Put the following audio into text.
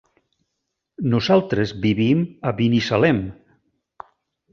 Nosaltres vivim a Binissalem.